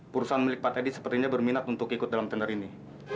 perusahaan milik pak teddy sepertinya berminat untuk ikut dalam tender ini